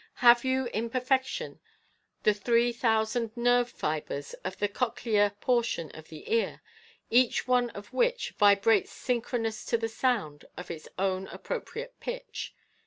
Have you in perfection the three thousand nerve fibres of the cochlear portion of the ear each one of which vibrates synchronous to the sound of its own appropriate pitch